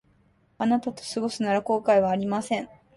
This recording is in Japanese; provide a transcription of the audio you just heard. あなたと過ごすなら後悔はありません